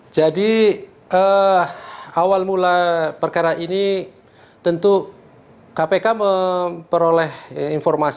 jadi awal mula perkara ini tentu kpk memperolehnya